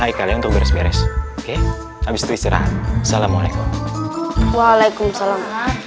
hai kalian untuk beres beres oke habis itu istirahat salamualaikum waalaikumsalam